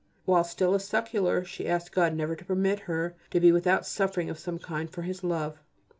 While still a secular she asked God never to permit her to be without suffering of some kind for His love.